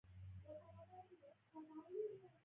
تقوا نيک عمل د ښه او لووالي معیار دي په اسلام کي